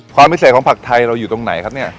ความพิเศษของผักไทยเราอยู่ตรงไหนครับเนี่ย